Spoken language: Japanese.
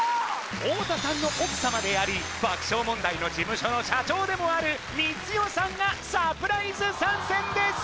太田さんの奥様であり爆笑問題の事務所の社長でもある光代さんがサプライズ参戦です！